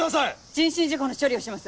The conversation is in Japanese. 人身事故の処理をします。